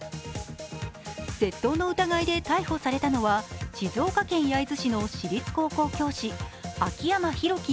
窃盗の疑いで逮捕されたのは静岡県焼津市の私立高校教師・秋山大輝